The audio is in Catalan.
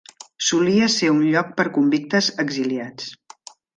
Solia ser un lloc per convictes exiliats.